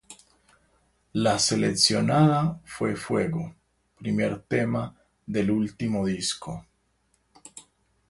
La seleccionada fue "Fuego", primer tema del último disco.